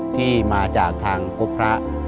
ที่มาจากทางพบพระ